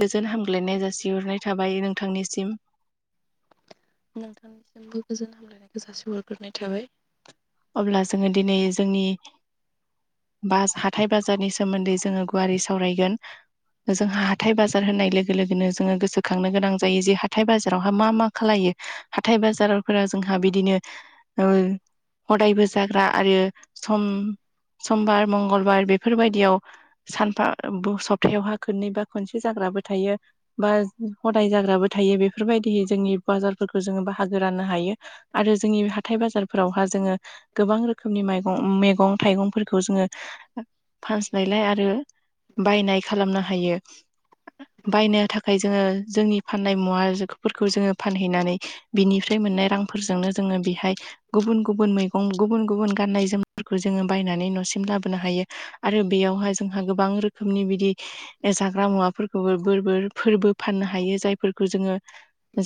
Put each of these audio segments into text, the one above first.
गोजोन हामग्लायनाय जासिहरनाय थाबाय नोंथांनिसिम। नोंथांनिसिमबो गोजोन हामलायनायखौ जासिहरग्रोनाय थाबाय। अब्ला जोङो दिनै जोंनि बाज हाथाय बाजारनि सोमोन्दै जोङो गुवारै सावरायगोन। जोंहा हाथाय बाजार होननाय लोगो लोगोनो जोङो गोसोखांनो गोनां जायो जे हाथाय बाजारावहा मा मा खालायो। हाथाय बाजार'रफोरा जोंहा बिदिनो ओ हदायबो जाग्रा आरो सम-समबार मंगलबार बेफोरबायदियाव सानफा बस सबथायावहा खोननै बा खोनसे जाग्राबो थायो। बा हदाय जाग्राबो थायो। बेफोरबायदि जोंनि बाजारफोरखौ जोङो बाहागो राननो हायो। आरो जोंनि हाथाय बाजारफोरावहा जोङो गोबां रोखोमनि मायगं मेगं थाइगंफोरखौ जोङो फानस्लायलाय आरो बायनाय खालामनो हायो। बायनो थाखाय जोङो जोंनि फाननाय मुवाफोरखौ जोङो फानहैनानै बिनिफ्राय मोननाय रांफोरजोंनो जोङो बेहाय गुबुन गु गुबुन मैगं गुबुन गुबुन गाननाय जोमनायफोरखौ जोङो बायनानै न'सिम लाबोनो हायो आरो बेयावह जो जोंहा गोबां रोखोमनि बिदि जाग्रा मुवाफोरखौबो बोर बोर फोरबो फाननो हायो जायफोरखौ जोङो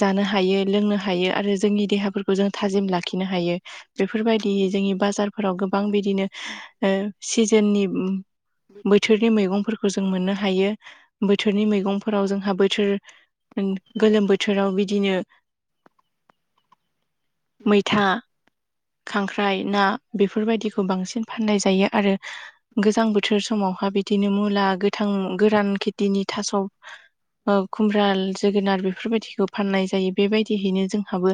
जानो हायो लोंनो हायो। आरो जोंनि देहाफोरखौ जों थाजिम लाखिनो हायो। बेफोरबायदि जोंनि बाजारफोराव गोबां बिदिनो ओ सिजोननि बोथोरनि मैगंफोरखौ जों मोननो हायो। बोथोरनि मैगंफोराव जोंहा बोथोर होन गोलोम बोथोराव बिदिनो मैथा खांख्राइ, ना बेफोरबायदिखौ बांसिन फाननाय जायो। आरो गोजां बोथोर समावहा बि दिनो मुला गोथां गोरान खेथिनि थास' ओ खुमब्राल जोगोनार बेफोरबायदिखौ फाननाय जायो। बेबायदियैनो जोंहाबो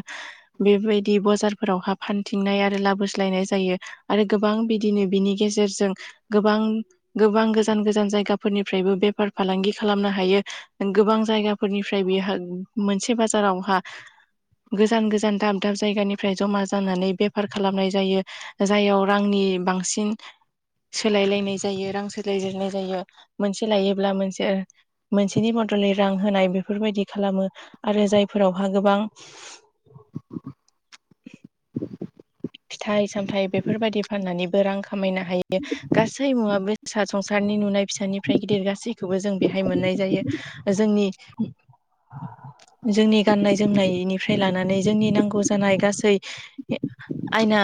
बेबायदि बजारफोरावहा फान थिंनाय आरो लाबोस्लायनाय जायो। आरो गोबां बिदिनो बिनि गेजेरजों गोबां गोबां गोजान गोजान जायगाफोरनिफ्रायबो बेफार फालांगि खालामनो हायो। ओं गोबां जायगाफोरनिफ्राय बेहा मोनसे बाजारावहा गोजान गोजान दाब दाब जायगानिफ्राय ज'मा जानानै बेफार खालामनाय जायो। जाययाव रांनि बांसिन सोलायलायनाय जायो, रां सोलायजनाय जायो। मोनसे लायोब्ला मोनसे मोनसेनि बदलै रां होनाय बेफोरबायदि खालामो। आरो जायफोरावहा गोबां फिथाइ सामथाइ बेफोरबायदि फाननानैबो रां खामायनो हायो। गासै मुवा बे सा संसारनि नुनाय फिसानिफ्राय गिदिर गासैखौबो जों बेहाय मोननाय जायो। जोंनि जोंनि गाननाय जोमनायनिफ्राय लानानै जोंनि नांगौ जानाय गासै आयना,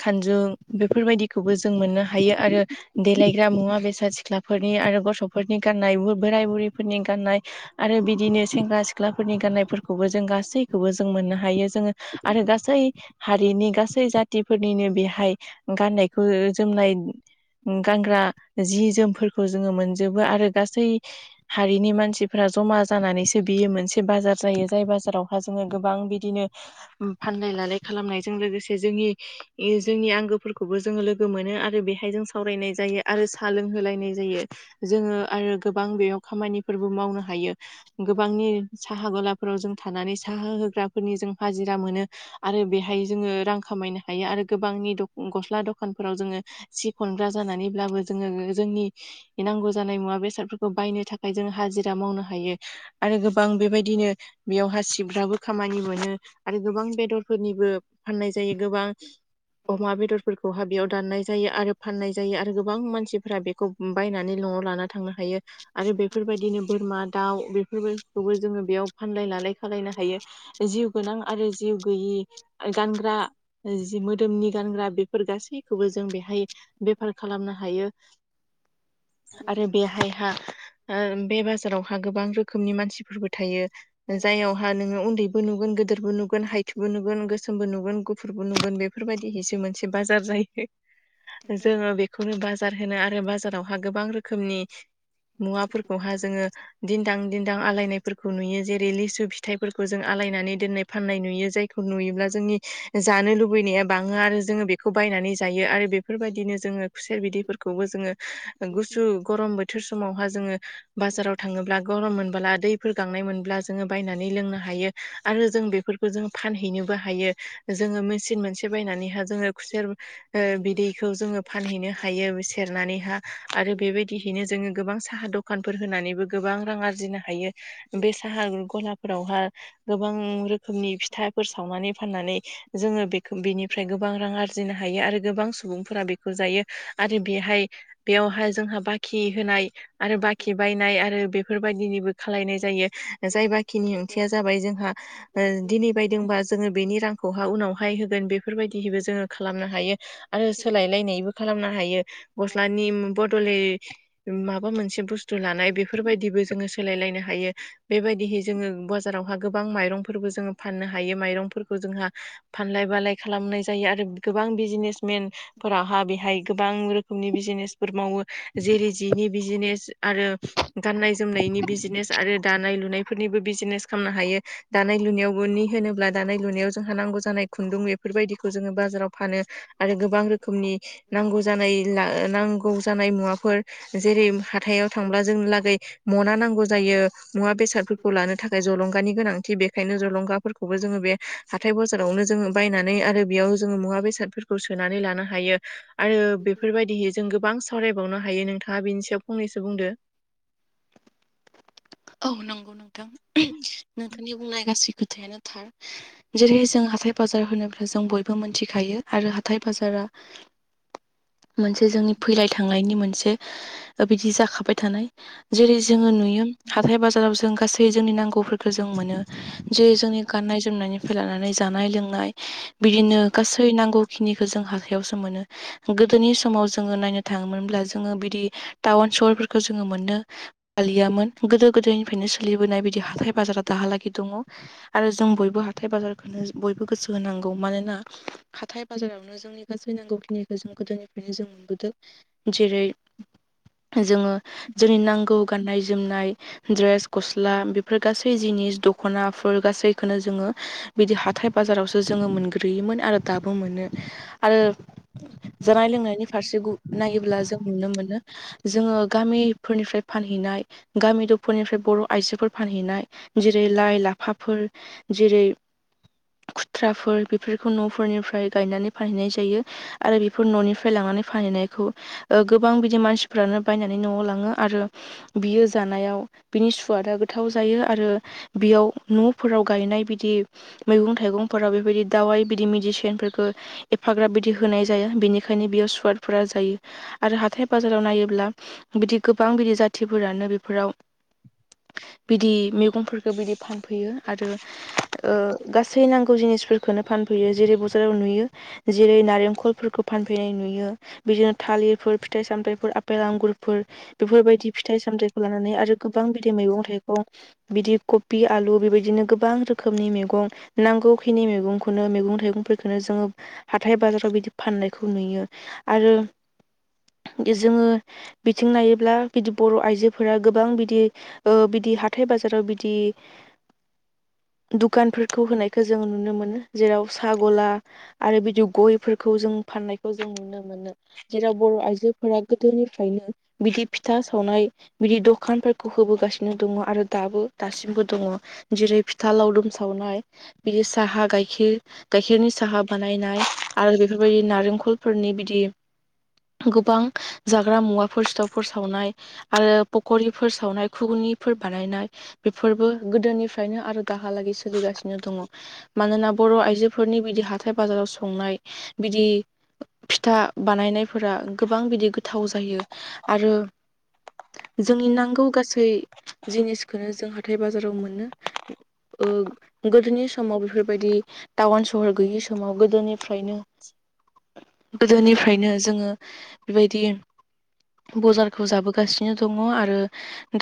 खानजुं बेफोरबायदिखौबो जों मोननो हायो। आरो देलायग्रा मुवा बेसाद सिख्लाफोरनि आरो गथ'फोरनि गाननाय बोराय बुरैफोरनि गान्नाय आरो बिदिनो सेंग्रा सिख्लाफोरनि गाननायफोरखौबो जों गासैखौबो जों मोननो हायो। जोङो आरो गासै हारिनि गास सै जाथिफोरनिनो बेहाय गाननायखो जोमनाय गानग्रा जि जोमफोरखौ जोङो मोनजोबो। आरो गासै हारिनि मानसिफ्रा ज'मा जानानैसो बियो मोनसे बाजार जायो। जाय बाजारावहााय जोङो गोबां बिदिनो फानलाय लालाय खालामनायजों लोगोसे जोंनि इयो जोंनि आंगोफोरखौबो जोङो लोगो मोनो आरो बेहाय जों सावरायनाय जायो। आरो सा लोंहोलायनाय जायो। जोङो आरो गोबां बेयाव खामानिफोरबो मावनो हायो। गोबांनि साहा गला फोराव जों थानानै साहा होग्राफोरनि जों हाजिरा मोनो। आरो बेहाय जोङो रां खामायनो हायो। आरो गोबांनि गस्ला दखानफोराव जोङो सि खनग्रा जानानैब्लाबो जोङो जोंनि नांगौ जानाय मुवा बेसादफोरखौ बायनो थाखाय जों हाजिरा मावनो हायो। आरो गोबां बेबायदिनो बेयावहा सिफ्राबो खामानि मोनो। आरो गोबां बेदरफोरनिबो फाननाय जायो। गोबां अमा बेदरफोरखौ ह बेयाव दाननाय जायो। आरो फाननाय जायो। आरो गोबां मानसिफोरा बेखौ बायनानै न'आव लाना थांनो हायो। आरो बेफोरबायदिनो बोरमा, दाउ बेफोरबाय खौबो जोङो बेयाव फानलाय लालाय खालामलायनो हायो बे जिउ गोनां आरो जिउ गैयि गानग्रा जि मोदोमनि गानग्रा बेफोर गासैखौबो जों बेहाय बेफार खालामनो हायो। [inaudible] आरो बेहायहा ओ बे बाजारावहा गोबां रोखोमनि मानसिफोरबो थायो। जायावहा नोङो उन्दैबो नुगोन गोदोरबो नुगोन हाइथुबो नुगोन गोसोमबो नुगोन गुफ फुरबो नुगोन बेफोरबायदि मोनसे बाजार जायो। जोङो बेखौनो बाजार होनो आरो बाजारावहा गोबां रोखोमनि मुवाफोरखौहाय जोङो। दिन्दां दिन्दां आलायनायफोरखौ नुयो। जेरै लिसु फिथाइफोरखौ जों आलायनानै दोननाय फाननाय नुयो। जायखौ नुयोब्ला जोंनि जानो लुबैनाया बाङो आरो जोङो बेखौ बायनानै जायो आरो बेफोरबायदिनो जोङो खुसेर बिदैफोरखौबो जोङो गुसु गरम बोथोर समावहा जोङो बाजाराव थाङोब्ला गरम मोनबोला दैफोर गांनाय मोनब्ला जोङो बायनानै लोंनो हायो। आरो जों बेफोरखौ जों फानहैनोबो हायो जोङो मेचिन मोनसे बायनानैहा जोङो खुसेर ओ बिदैखौ जोङो फानहैनो हायो सेरनानैहा आरो बेबायदिहैनो जोङो गोबां साहा द कानफोर होनानैबो गोबां रां आरजिनो हायो। बे साहा गलाफोरावहा गोबां रोखोमनि फिथाफोर सावनानै फाननानै जोङो बे बेनिफ्राय गोबां रां आरजिनो हायो आरो गोबां सुबुंफोरा बेखौ जायो आरो बेहाय बेयावहा जोंहा बाखि होनाय आरो बाखि बायनाय आरो बेफोरबायदिनिबो खालायनाय जायो जाय बाखिनि ओंथिया जाबाय जोंहा ओ दिनै बायदोंबा जोङो बेनि रांखौहाय उनावहाय होगोन बेफोरबायदिहैबो जोङो खालामनो हायो। आरो सोलायलायनायबो खालामनो हायो गस्लानि बदलै माबा मोनसे बुस्थु लानाय बेफोरबायदिबो जोङो सोलाय लायनो हायो। बेबायदिहै जोङो बाजारावहा गोबां माइरंफोरबो जोङो फाननो हायो माइरंफोरखौ जोंहा फानलाय बालाय खालामनाय जायो आरो गोबां बिजनेसमेन फोराहा बेहाय गोबां रोखोमनि बिजनेसफोर मावो जेरै जिनि बिजनेस आरो गाननाय जोमनायनि बिजिनेस आरो दानाय लुनाय फोरनिबो बिजनेस खालामनो हायो दानाय लुनायावबो नि होनोब्ला दानाय लुनायाव जोंहा नांगौ जानाय खुन्दुं बेफोरबायदिखौ जोङो बाजाराव फानो आरो गोबां रोखोमनि नांगौ जानाय नांगौ जानाय मुवाफोर जेरै हाथायाव थांब्ला जोंनि लागै मना नांगौ जायो मुवा बेसादफोरखौ लानो थाखाय जलंगानि गोनांथि बे खायनो जलंगाफोरखौबो जोङो बे हाथाय बाजारावनो जों बायना नै आरो बेयाव जों मुवा बेसादफोरखौ सोनानै लानो हायो आरो बेफोरबायदियै जों गोबां सावरायबावनो हायो नोंथाङा बेनि सायाव फंनैसो बुंदो। औ नंगौ नोंथां नोंथांनि बुंनाय गासै खोथायानो थार जेरै जों हाथाय बाजार होनोबा जों बयबो मोनथिखायो आरो हाथाय बाजारा मोनसे जोंनि फैलाय थांनायनि मोनसे बिदि जाखाबाय थानाय जेरै जोङो नुयो हाथाय बाजाराव जों गासै जोंनि नांगौफोरखौ जों मोनो जेरै जोंनि गाननाय जोमनायनिफ्राय लानानै जानाय लोंनाय बिदिनो गासै नांगौ खिनिखौ जों हाथायावसो मोनो। गोदोनि समाव जोङो नायनो थाङोमोनब्ला जोङो बिदि टाउन सहरफोरखौ जोङो मोननो हालियामोन गोदो गोदायनिफ्रायनो सोलिबोनाय बिदि हाथाय बाजारा दाहालागै दङ। आरो जों बयबो हाथाय बाजारखौनो बयबो गोसो होनांगौ मानोना हाथाय बाजारावनो जोंनि गासै नांगौखिनिखौ जों गोदोनिफ्रायनो जों मोनबोदों जेरै जोङो जोंनि नांगौ गाननाय जोमनाय द्रेस गस्ला बेफोर गासै जिनिस दख'नाफोर गासैखौनो जोङो बिदि हाथाय बाजारावसो जोङो मोनग्रोयोमोन आरो दाबो मोनो। आरो जानाय लोंनायनि फारसे नायोब्ला जों नुनो मोनो जोङो गामिफोरनिफ्राय फानहैनाय गामि दफरनिफ्राय बर' आइजोफोर फानहैनाय जेरै लाइ लाफाफोर जेरै खुथ्राफोर बेफोरखौ न'फोरनिफ्राय गायनानै फानहैनाय जायो। आरो बेफोर न'निफ्राय लांनानै फानहैनायखौ गोबां बिदि मानसिफ्रानो बायनानै न'आव लाङो आरो बियो जानायाव बिनि सुवादा गोथाव जायो आरो बेयाव न'फोराव गायनाय बिदि मैगं थाइगंफोरा बेबायदि दावाइ बिदि मेडिसिनफोरखौ एफाग्राब बिदि होनाय जाया बेनिखायनो बेयाव सुवादफोरा जायो। आरो हाथाय बाजाराव नायोब्ला बिदि गोबां बिदि जाथिफोरानो बे फोराव बिदि मैगंफोरखौ बिदि फानफैयो आरो गासै नांगौ जिनिसफोरखौनो फानफैयो जेरै बाजाराव नुयो। जेरै नारेंखलफोरखौ फानफैनाय नुयो। बिदिनो थालिरफोर फिथाइ सामथायाइफोर आफेल आंगुरफोर बेफोरबायदि फिथाइ सामथाय लानानै आरो गोबां बिदै मैगं थाइगं बिदि कबि आलु बेबायदिनो गोबां रोखोमनि मैगं नांगौखिनि मैगंखौनो मैगं थाइगंफोरखौनो जोङो हाथाय बाजाराव बिदि फाननायखौ नुयो आरो जोङो बिथिं नायोब्ला बिदि बर' आइजो फोर गोबां बिदि बिदि हाथाय बाजाराव बिदि दुखानफोरखौ होनायखौ जों नुनो मोनो। जेराव सागला आरो बिदि गयफोरखौ जों फाननायखौ जों नुनो मोनो। जेराव बर' आइजोफोरा गोदोनिफ्रायनो बिदि फिथा सावनाय बिदि दखानफोरखौ होबोगासिनो दङ आरो दाबो दासिमबो दङ। जेरै फिथा लावदुम सावनाय बिदि साहा गाइखेर गायखेरनि साहा बानायनाय आरो बेफोरबायदि नारेंखलफोरनि बिदि गोबां जाग्रा मुवाफोर सिथावफोर सावनाय आरो पकरिफोर सावनाय खुगनिफोर बानायनाय बेफोरबो गोदोनिफ्रायनो आरो दाहालागै सोलिगासिनो दङ। मानोना बर' आइजोफोरनि बिदि हाथाय बाजाराव संनाय बिदि फिथा बानायनायफोरा गोबां बिदि गोथाव जायो आरो जोंनि नांगौ गासै जिनिसखौनो जों हाथथाय बाजाराव मोनो। गोदोनि समाव बेफोरबायदि टाउन सहर गैयि समाव गोदोनिफ्रायनो गोदोनिफ्रायनो जोङो बेबायदि बजारखौ जाबो जागासिनो दङ आरो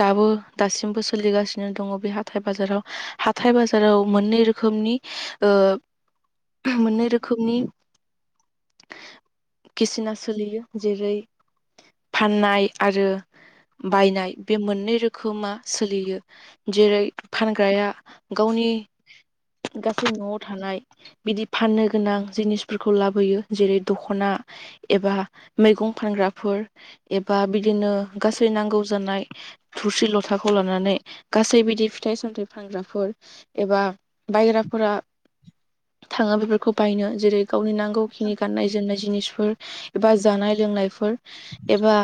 दाबो दासिमबो सोलिगासिनो दङ बे हाथथाय बाजाराव हाथथाय बाजाराव मोननै रोखोमनि ओ [inaudible] मोननै रोखोमनि किसिना सोलियो जेरै फाननाय आरो बायनाय बे मोननै रोखोमा सोलियो। जेरै फानग्राया गावनि गासै न'आव थानाय बिदि फाननो गोनां जिनिसफोरखौ लाबोयो जेरै दखना एबा मैगं फानग्राफोर एबा बिदिनो गासै नांगौ जानाय थोरसि लथाखौ लानानै गासै बिदि फिथाइ सामथाइ फानग्राफोर एबा बायग्राफोरा थाङो बेफोरखौ बायनो जेरै गावनि नांगौखिनि गाननाय जोमनाय जिनिसफोर एबा जानाय लोंनायफोर एबा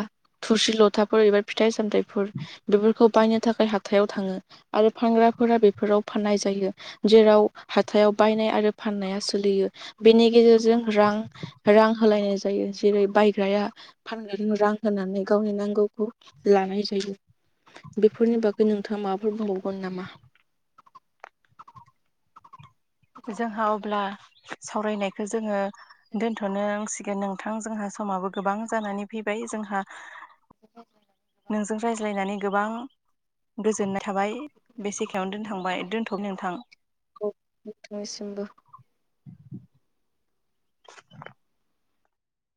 थुरसि लथाफोर एबा फिथाइ सामथायफोर बेफोरखौ बायनो थाखाय हाथायाव थाङो आरो फानग्राफोरा बेफोराव फाननाय जायो जेराव हाथायाव बायनाय आरो फाननाया सोलियो बेनि गेजेरजों रां रां होलायनाय जायो जेरै बायग्राया [unintelligible] रां होनानै गावनि नांगौ लानाय जायो बेफोरनि बागै नोंथाङा माबाफोर बुंबावगोन नामा जोंहा अब्ला सावरायनायखो जोङो दोनथ'नांसिगोन नोंथां जोंहा समाबो गोबां जानानै फैबाय जोंहा [inaudible] नोंजों रायज्लायनानै गोबां गोजोननाय थाबाय बेसेखायावनो दोनथांबाय दोनथ' नोंथां औ नोंथां निसिमबो [inaudible]